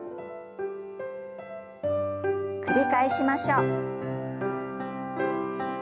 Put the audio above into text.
繰り返しましょう。